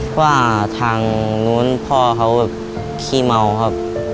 ว่าทางนู้นพ่อเขาแบบขี้เมาครับ